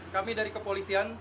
kami dari kepolisian